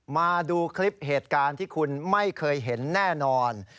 มาดูคลิปเหตุการณ์ที่คุณไม่เคยเห็นแน่นอน